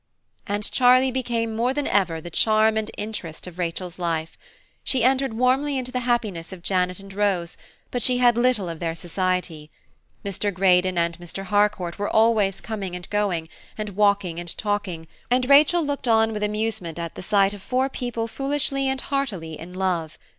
And Charlie became more than ever the charm and interest of Rachel's life. She entered warmly into the happiness of Janet and Rose, but she had little of their society. Mr. Greydon and Mr. Harcourt were always coming and going, and walking and talking, and Rachel looked on with amusement at the sight of four people foolishly and heartily in love.